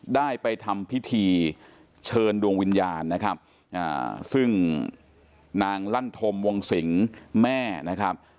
ได้ไปทำพิธีเชิญดวงวิญญาณนะครับซึ่งนางลั่นธมวงสิงแม่นะครับ